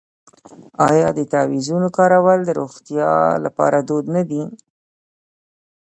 آیا د تعویذونو کارول د روغتیا لپاره دود نه دی؟